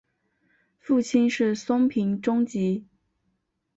父亲是松平忠吉。